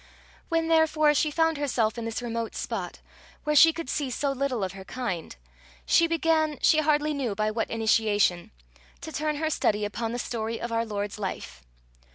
When, therefore, she found herself in this remote spot, where she could see so little of her kind, she began, she hardly knew by what initiation, to turn her study upon the story of our Lord's life.